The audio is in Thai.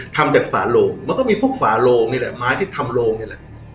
ทำจากฝาโลงมันก็มีพวกฝาโลงนี่แหละไม้ที่ทำโรงนี่แหละ